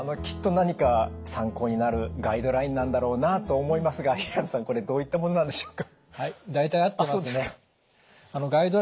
きっと何か参考になるガイドラインなんだろうなと思いますが平野さんこれどういったものなんでしょうか？